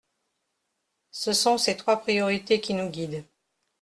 Ce sont ces trois priorités qui nous guident.